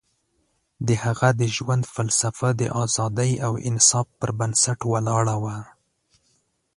د هغه د ژوند فلسفه د ازادۍ او انصاف پر بنسټ ولاړه وه.